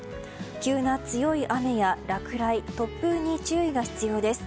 急な強い雨や落雷、突風に注意が必要です。